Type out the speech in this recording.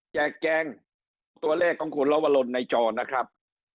แจกแจงตัวเลขของคุณลวรลนในจอนะครับ